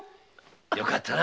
よかったな。